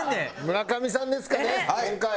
村上さんですかね今回。